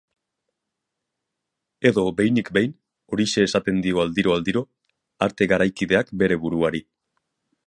Edo, behinik behin, horixe esaten dio aldiro-aldiro arte garaikideak bere buruari.